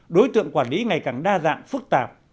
đối tượng quản lý ngày càng đa dạng phức tạp